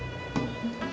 bukan buat beli obat batuk